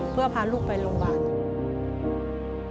เพื่อพาลูกไปโรงพยาบาล